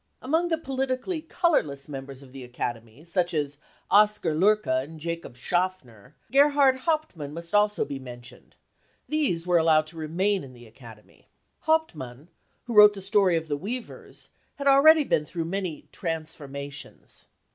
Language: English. Among the politically colourless members of the Academy, such as Oskar Loerke and Jakob SchafFner, Gerhardt Hauptmann must also be mentioned : these were allowed to remain in the Academy. Hauptmann, who wrote the story of the weavers, had already been through many fic transformations."